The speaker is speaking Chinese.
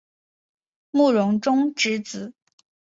慕容忠之子。